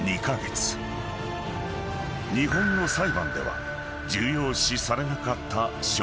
［日本の裁判では重要視されなかった証拠が］